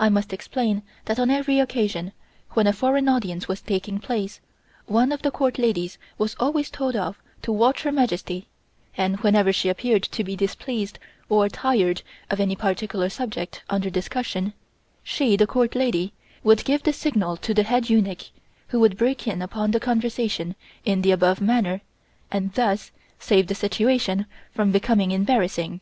I must explain that on every occasion when a foreign audience was taking place, one of the Court ladies was always told off to watch Her Majesty, and whenever she appeared to be displeased or tired of any particular subject under discussion, she, the Court lady, would give the signal to the head eunuch, who would break in upon the conversation in the above manner, and thus save the situation from becoming embarrassing.